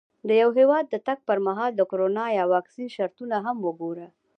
د یو هېواد د تګ پر مهال د کرونا یا واکسین شرطونه هم وګوره.